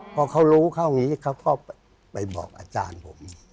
พอเขารู้เข้าอย่างนี้เขาก็ไปบอกอาจารย์ผม